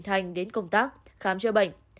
đành đến công tác khám chữa bệnh